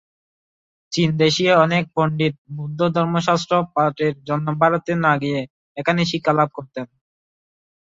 চিনদেশীয় অনেক পণ্ডিত বৌদ্ধ ধর্মশাস্ত্র পাঠের জন্য ভারতে না গিয়ে এখানেই শিক্ষা লাভ করতেন।